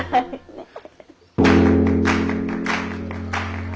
ねえ？